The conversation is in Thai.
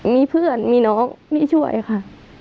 มีเพื่อนมีน้องมีช่วยค่ะ